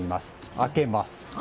開けます。